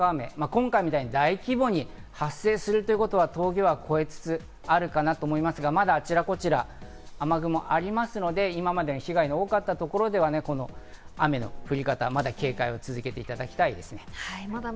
今回みたいに大規模に発生するということは峠は越えつつあるかなと思いますが、まだあちらこちら雨雲がありますので、今まで被害が多かったところでは雨の降り方に警戒を続けていただきたいと思います。